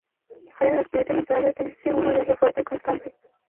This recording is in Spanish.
Fuera de las piletas naturales existe un oleaje fuerte y constante.